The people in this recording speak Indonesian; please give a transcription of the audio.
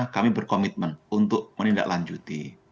kami berkomitmen untuk menindaklanjuti